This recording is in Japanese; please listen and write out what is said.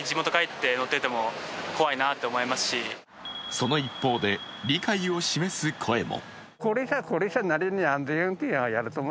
その一方で、理解を示す声も。